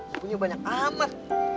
aku punya banyak amat